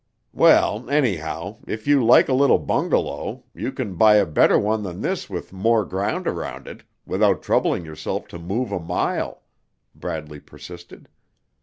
'" "Well, anyhow, if you like a little bungalow, you can buy a better one than this with more ground around it, without troubling yourself to move a mile," Bradley persisted.